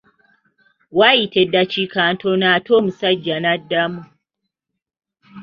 Waayita eddakiika ntono ate omusajja n’addamu.